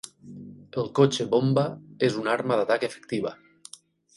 El cotxe bomba és una arma d'atac efectiva.